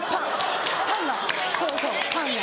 そうそうパンが。